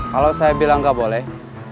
kalau saya bilang nggak boleh